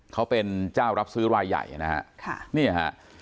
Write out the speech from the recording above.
เขาเป็นเจ้ารับซื้อรายใหญ่นะฮะ